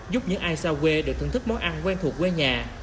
giúp những ai xa quê được thưởng thức món ăn quen thuộc quê nhà